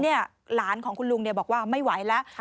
หลานของคุณลุงบอกว่าไม่ไหวแล้ว